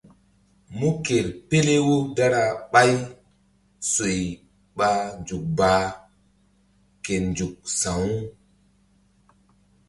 Mú ker pele wo dara ɓay soy ɓa nzukbaa ke nzuk sa̧wu.